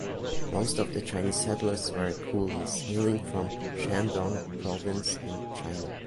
Most of the Chinese settlers were coolies hailing from Shandong province in China.